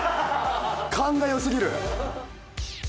勘が良すぎる。